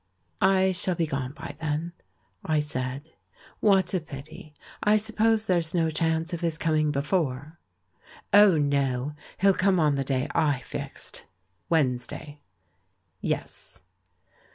"I shall be gone by then," I said. "What a pity ! I suppose there's no chance of his coming before?" "Oh, no, he'U come on the day I fixed.'* "Wednesday?" "Yes."